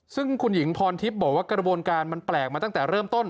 ซึ่งคุณหญิงพรทิพย์บอกว่ากระบวนการมันแปลกมาตั้งแต่เริ่มต้น